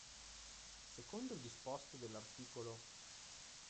Secondo il disposto dell'art.